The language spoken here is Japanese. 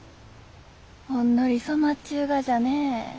ほんのり染まっちゅうがじゃね。